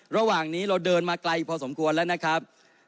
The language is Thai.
ระหว่างนี้เราเดินมาไกลพอสมควรแล้วนะครับ